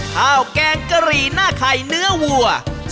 แกงกะหรี่หน้าไข่เนื้อวัว